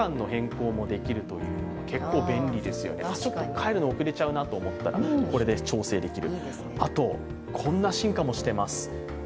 帰るの遅れちゃうなと思ったらこれで調整できる。